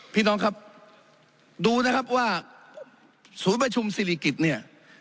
พี่น้องครับดูนะครับว่าศูนย์ประชุมศิริกิจเนี่ย